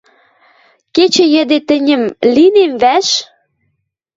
Кечӹ йӹде тӹньӹм линем вӓш?